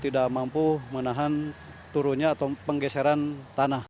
tidak mampu menahan turunnya atau penggeseran tanah